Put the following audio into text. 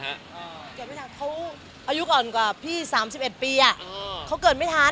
อเจมส์เขาอายุก่อนกว่าพี่๓๑ปีอ่ะเขาเกิดไม่ทัน